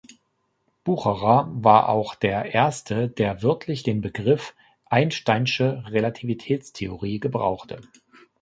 Bucherer war auch der Erste, der wörtlich den Begriff „Einsteinsche Relativitätstheorie“ gebrauchte.